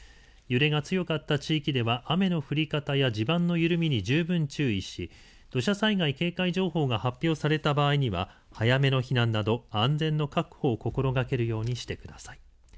揺れが強かった地域では雨の降り方や地盤の緩みに十分、注意し土砂災害警戒情報が発表された場合には早めの避難など安全の確保を心がけるようにしてください。